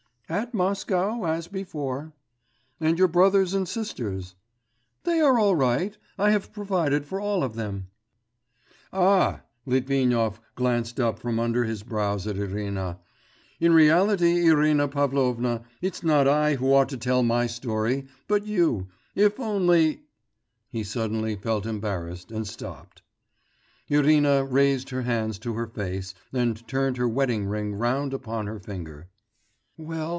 'At Moscow as before.' 'And your brothers and sisters?' 'They are all right; I have provided for all of them.' 'Ah!' Litvinov glanced up from under his brows at Irina. 'In reality, Irina Pavlovna, it's not I who ought to tell my story, but you, if only ' He suddenly felt embarrassed and stopped. Irina raised her hands to her face and turned her wedding ring round upon her finger. 'Well?